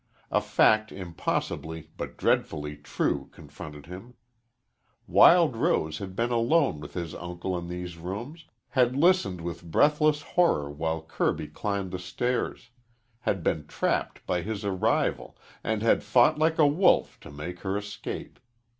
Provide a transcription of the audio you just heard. A fact impossibly but dreadfully true confronted him. Wild Rose had been alone with his uncle in these rooms, had listened with breathless horror while Kirby climbed the stairs, had been trapped by his arrival, and had fought like a wolf to make her escape.